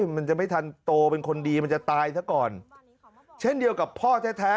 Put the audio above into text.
มันจะไม่ทันโตเป็นคนดีมันจะตายซะก่อนเช่นเดียวกับพ่อแท้แท้